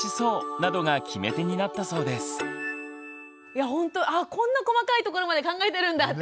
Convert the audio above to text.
いやほんとこんな細かいところまで考えてるんだって